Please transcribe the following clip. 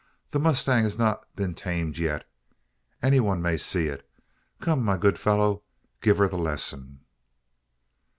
That mustang has not been tamed yet any one may see it. Come, my good fellow! give her the lesson.